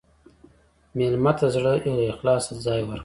مېلمه ته د زړه له اخلاصه ځای ورکړه.